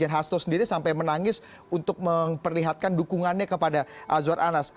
hasto sendiri sampai menangis untuk memperlihatkan dukungannya kepada azwar anas